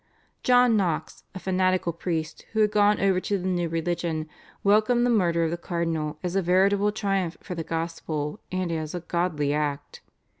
John Knox, a fanatical priest, who had gone over to the new religion, welcomed the murder of the cardinal as a veritable triumph for the gospel and as a "godly act."